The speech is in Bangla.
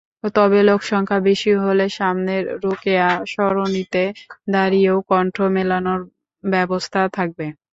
তবে লোকসংখ্যা বেশি হলে সামনের রোকেয়া সরণিতে দাঁড়িয়েও কণ্ঠ মেলানোর ব্যবস্থা থাকবে।